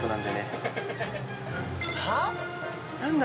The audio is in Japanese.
はぁ⁉何だ？